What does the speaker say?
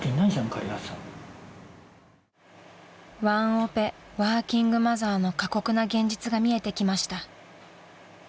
［ワンオペワーキングマザーの過酷な現実が見えてきました］